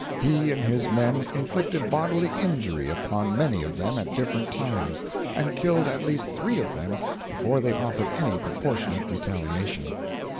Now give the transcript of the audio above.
He and his men inflicted bodily injury upon many of them at different times, and killed at least three of them before they offered any proportionate retaliation.